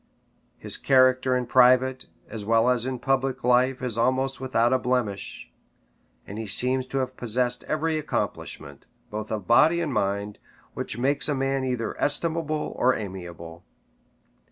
His character in private, as well as in public life, is almost without a blemish; and he seems to have possessed every accomplishment, both of body and mind, which makes a man either estimable or amiable.